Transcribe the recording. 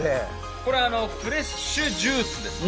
これフレッシュジュースですね。